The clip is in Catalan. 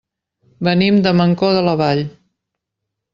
Venim de Mancor de la Vall.